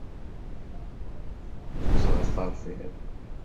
Ẓriɣ terfid.